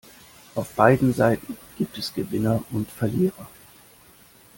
Auf beiden Seiten gibt es Gewinner und Verlierer.